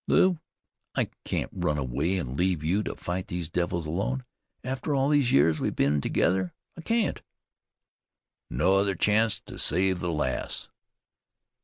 "Lew, I can't run away an' leave you to fight those devils alone, after all these years we've been together, I can't." "No other chance to save the lass."